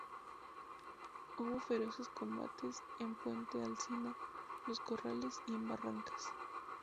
Hubo feroces combates en Puente Alsina, los Corrales y en Barracas.